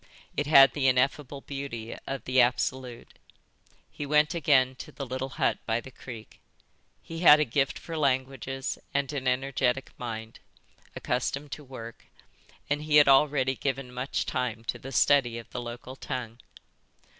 It had the ineffable beauty of the Absolute. He went again to the little hut by the creek. He had a gift for languages and an energetic mind, accustomed to work, and he had already given much time to the study of the local tongue.